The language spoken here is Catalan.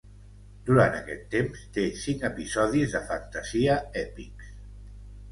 Durant aquest temps, té cinc episodis de fantasia èpics.